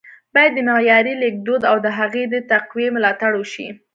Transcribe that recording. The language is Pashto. ـ بايد د معیاري لیکدود او د هغه د تقويې ملاتړ وشي